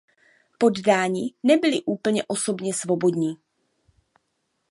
Poddaní nebyli úplně osobně svobodní.